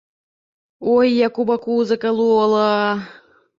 Ой, як у баку закалола.